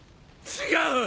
違う！